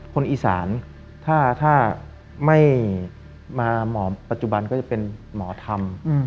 คนอีสานถ้าไม่มาหมอปัจจุบันก็จะเป็นหมอธรรม